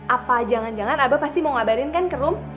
apa jangan jangan abah pasti mau ngabarin kan kerum